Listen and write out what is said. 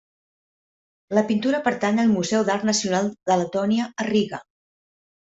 La pintura pertany al Museu d'Art Nacional de Letònia a Riga.